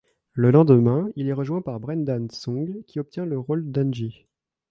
Le lendemain il est rejoint par Brenda Song qui obtient le rôle d'Angie.